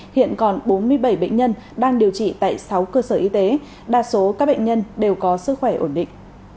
hiện còn bốn mươi bảy bệnh nhân đang điều trị tại sáu cơ sở y tế đa số các bệnh nhân đều có sức khỏe ổn định